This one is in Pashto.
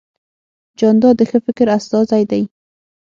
جانداد د ښه فکر استازی دی.